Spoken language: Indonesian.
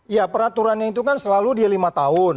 ya peraturannya itu kan selalu dia lima tahun